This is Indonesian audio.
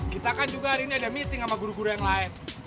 kita kan juga hari ini ada meeting sama guru guru yang lain